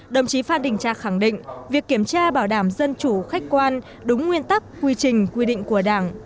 đồng chí phan đình trạc khẳng định việc kiểm tra bảo đảm dân chủ khách quan đúng nguyên tắc quy trình quy định của đảng